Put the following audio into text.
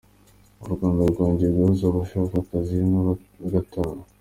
U Rwanda rwongeye guhuza abashaka akazi n’abagatanga